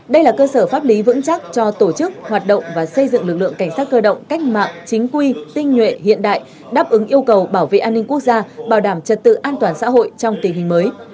đây là cơ sở pháp lý vững chắc cho tổ chức hoạt động và xây dựng lực lượng cảnh sát cơ động cách mạng chính quy tinh nhuệ hiện đại đáp ứng yêu cầu bảo vệ an ninh quốc gia bảo đảm trật tự an toàn xã hội trong tình hình mới